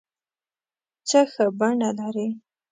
څه ښه بڼه لرې